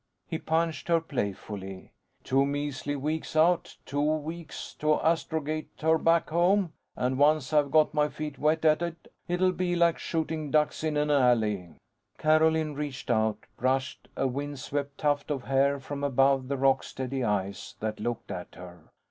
He punched her playfully. "Two measly weeks out, two weeks to astrogate her back home. And once I've got my feet wet at it, it'll be like shooting ducks in an alley." Carolyn reached out, brushed a windswept tuft of hair from above the rock steady eyes that looked at her.